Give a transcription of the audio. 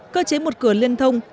cơ chế một cửa liên thông